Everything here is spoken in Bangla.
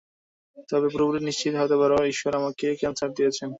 তুমি পুরোপুরি নিশ্চিত হতে পারো ঈশ্বর আমাকে ক্যান্সার দিয়েছেন।